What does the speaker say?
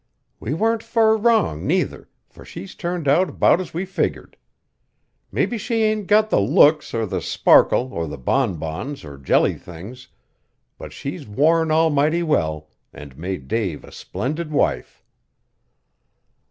We warn't fur wrong neither, for she's turned out 'bout as we figgered. Mebbe she ain't got the looks or the sparkle of the bonbons or jelly things, but she's worn almighty well, an' made Dave a splendid wife."